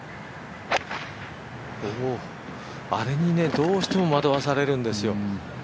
あれにどうしても惑わされるんですよ。